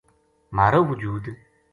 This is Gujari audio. مھارو وجود